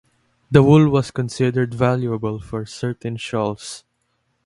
The wool was considered valuable for certain shawls.